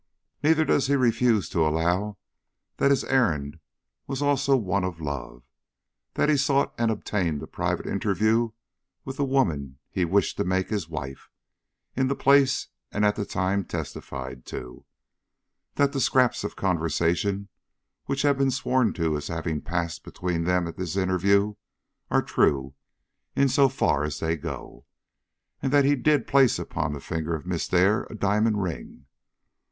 Neither does he refuse to allow that his errand was also one of love, that he sought and obtained a private interview with the woman he wished to make his wife, in the place and at the time testified to; that the scraps of conversation which have been sworn to as having passed between them at this interview are true in as far as they go, and that he did place upon the finger of Miss Dare a diamond ring.